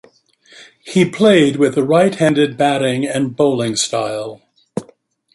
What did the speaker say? He played with a right-handed batting and bowling style.